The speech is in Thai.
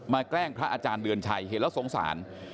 แกล้งพระอาจารย์เดือนชัยเห็นแล้วสงสาร